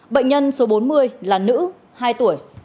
bệnh nhân số bốn mươi là nữ hai tuổi